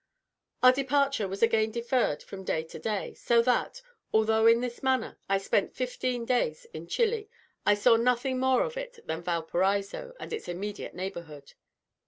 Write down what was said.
Our departure was again deferred from day to day; so that, although, in this manner, I spent fifteen days in Chili, I saw nothing more of it than Valparaiso and its immediate neighbourhood.